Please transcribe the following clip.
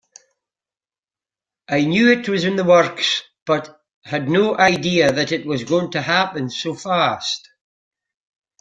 I knew it was in the works, but had no idea that it was going to happen so fast.